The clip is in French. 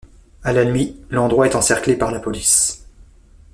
À la nuit, l'endroit est encerclé par la police.